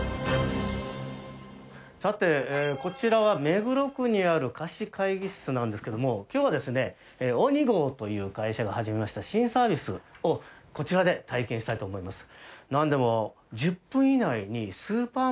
さて、こちらは目黒区にある貸し会議室なんですけれども今日はＯｎｉＧＯという会社が始めました新サービスをこちらで体験したいと思います。